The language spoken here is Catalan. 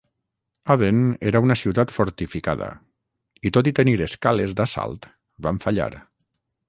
Aden era una ciutat fortificada, i tot i tenir escales d'assalt van fallar.